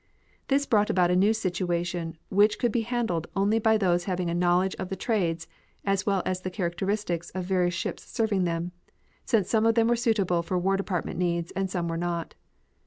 This brought about a new situation which could be handled only by those having a knowledge of the trades as well as the characteristics of various ships serving them, since some of them were suitable for War Department needs and some were not.